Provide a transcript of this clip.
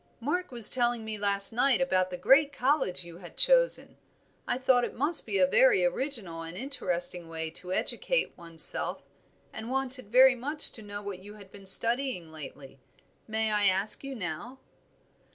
"Mark was telling me last night about the great college you had chosen; I thought it must be a very original and interesting way to educate one's self, and wanted very much to know what you had been studying lately. May I ask you now?"